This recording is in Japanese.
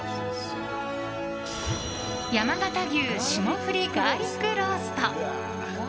山形牛霜降りガーリックロースト。